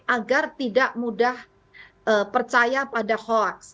agar tidak mudah percaya pada hoax